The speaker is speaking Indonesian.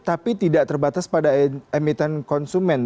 tapi tidak terbatas pada emiten konsumen